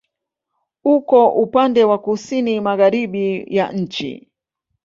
Uko upande wa kusini-magharibi ya nchi.